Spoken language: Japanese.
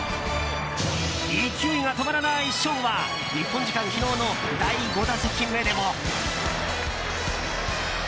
勢いが止まらないショウは日本時間昨日の第５打席目でも。